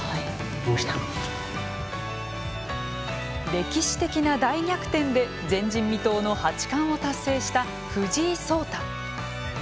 歴史的な大逆転で前人未到の八冠を達成した藤井聡太。